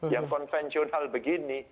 yang konvensional begini